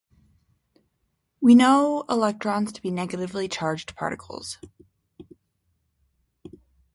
We know electrons to be negatively charged particles.